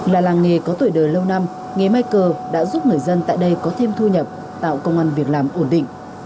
là làng nghề có tuổi đời lâu năm nghề may cờ đã giúp người dân tại đây có thêm thu nhập tạo công an việc làm ổn định